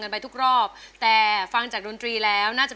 คือหมื่นบาทเองมันมีพลังนะคะ